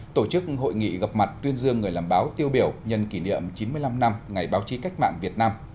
tổ chức hội nghị gặp mặt tuyên dương người làm báo tiêu biểu nhân kỷ niệm chín mươi năm năm ngày báo chí cách mạng việt nam